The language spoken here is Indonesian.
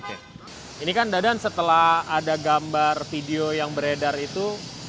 oke ini kan dadan setelah ada gambar video yang beredar itu